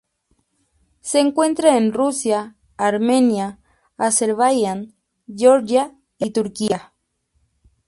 Se encuentra en Rusia, Armenia, Azerbaiyán, Georgia y Turquía.